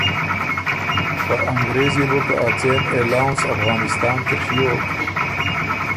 خه انګرېز يې بو که ا څېن الاؤنس افغانِستان کی ڒیوک